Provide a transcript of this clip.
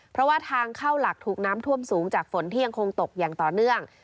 เพราะว่าทางเข้าหลักถูกน้ำท่วมสูงจากฝนที่ยังคงตกอย่างต่อเนื่อง